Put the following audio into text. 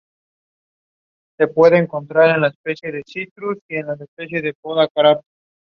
Estos problemas involucran planificación de vehículos y servicios en redes de transportación.